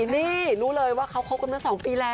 นี่รู้เลยว่าเขาคบกันมา๒ปีแล้ว